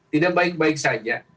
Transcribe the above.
tidak baik baik saja